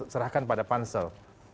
serahkan pada pansel